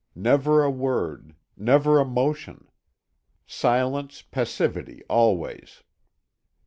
Never a word, never a motion. Silence, passivity always.